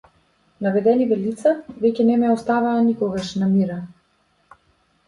Наведениве лица веќе не ме оставаа никогаш на мира.